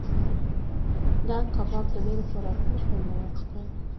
دا کباب تر نورو خوراکونو خوندور ښکاري.